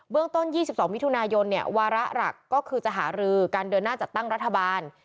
ต้น๒๒มิถุนายนวาระหลักก็คือจะหารือการเดินหน้าจัดตั้งรัฐบาล